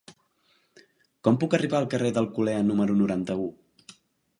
Com puc arribar al carrer d'Alcolea número noranta-u?